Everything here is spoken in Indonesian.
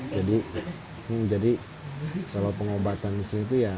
jadi kalau pengobatan disini tuh ya